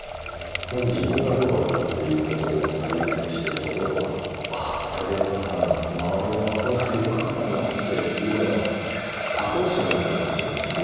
まず自分がどうあるかっていうことを最優先にしてるところはああこれでよかったんだって周りに合わせなくてよかったんだっていうのは後押しになってるかもしれないです